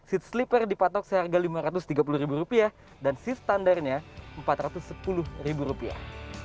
seat sleeper dipatok seharga lima ratus tiga puluh ribu rupiah dan si standarnya empat ratus sepuluh ribu rupiah